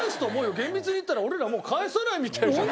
厳密に言ったら俺らもう返さないみたいじゃない。